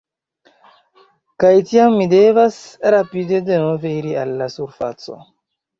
Kaj tiam mi devas rapide denove iri al la surfaco.